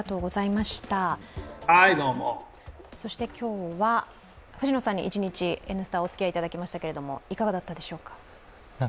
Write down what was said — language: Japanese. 今日は藤野さんに一日お付き合いいただきましたけれども、いかがだったでしょうか？